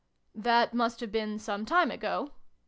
That must have been some time ago